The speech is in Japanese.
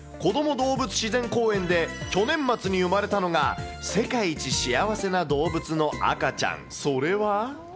動物自然公園で、去年末に生まれたのが、世界一幸せな動物の赤ちゃん。